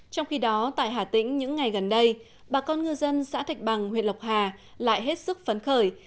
trong khi đó tại hà tĩnh những ngày gần đây bà con ngư dân xã thạch bằng huyện lộc hà lại hết sức phấn khởi